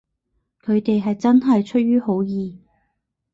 佢哋係真係出於好意